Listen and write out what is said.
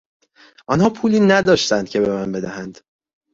آنها پولی نداشتند که به من بدهند.